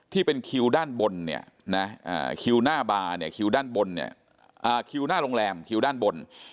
ที่เป็นคิวด้านบนคิวหน้าบาร์คิวด้านบนคิวหน้าโรงแรมคิวด้านบน